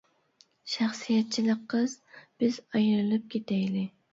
شەخسىيەتچىلىك قىز : بىز ئايرىلىپ كېتەيلى.